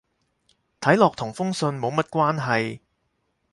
睇落同封信冇乜關係